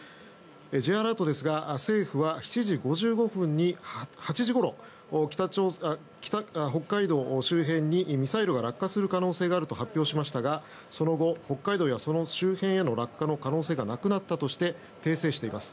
Ｊアラートですが政府は７時５５分に、８時ごろ北海道周辺にミサイルが落下する可能性があると発表しましたがその後、北海道やその周辺への落下の可能性がなくなったとして訂正しています。